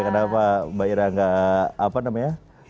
kenapa mbak ira nggak apa namanya